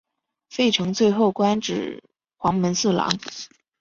费承最后官至黄门侍郎。